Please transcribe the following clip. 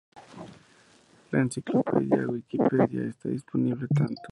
La enciclopedia Wikipedia está disponible tanto en serbocroata, como en serbio, croata y bosnio.